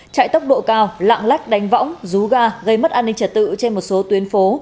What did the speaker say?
chạy tốc độ cao lạng lách đánh võng rú ga gây mất an ninh trật tự trên một số tuyến phố